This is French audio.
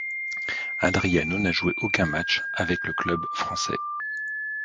Adriano n'a joué aucun match avec le club français.